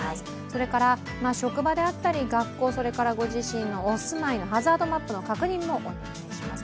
それから職場であったり、学校それからご自身のお住まいのハザードマップの確認もお願いします。